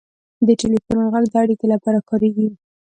• د ټلیفون ږغ د اړیکې لپاره کارېږي.